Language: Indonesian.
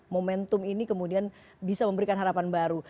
momentum ini kemudian bisa memberikan harapan baru